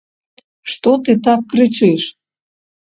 Што ты так крычыш?